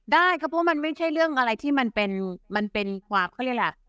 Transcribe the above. ได้ก็เพราะมันไม่ใช่เรื่องอะไรที่มันเป็นมันเป็นความเขาเรียกล่ะ